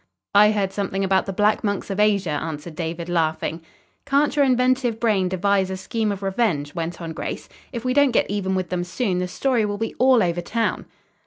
"I heard something about the Black Monks of Asia," answered David, laughing. "Can't your inventive brain devise a scheme of revenge?" went on Grace. "If we don't get even with them soon, the story will be all over town."